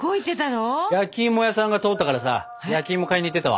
焼き芋屋さんが通ったからさ焼き芋買いに行ってきたわ。